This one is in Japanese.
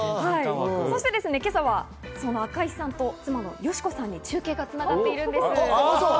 そして今朝はそんな赤井さんと奥さまの佳子さんと中継が繋がっているんです。